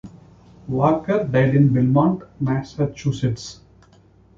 Walker died in Belmont, Massachusetts.